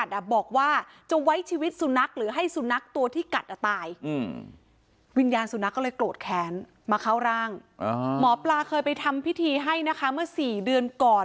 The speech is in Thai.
เดี๋ยวย้อมไปดูภาพตอนที่ได้เจอกับหมอปลานิดนึงค่ะ